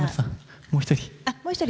もう一人。